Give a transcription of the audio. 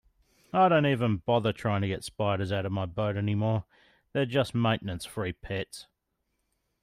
I don't even bother trying to get spiders out of my boat anymore, they're just maintenance-free pets.